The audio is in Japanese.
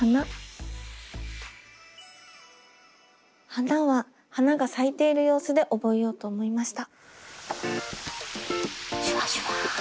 「花」は花が咲いている様子で覚えようと思いました。